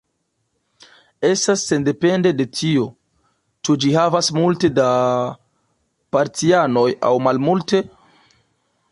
Estas sendepende de tio, ĉu ĝi havas multe da partianoj aŭ malmulte.